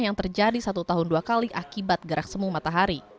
yang terjadi satu tahun dua kali akibat gerak semu matahari